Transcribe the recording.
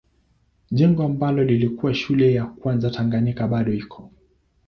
Jengo ambalo lilikuwa shule ya kwanza Tanganyika bado iko.